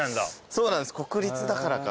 そうなんです国立だからか。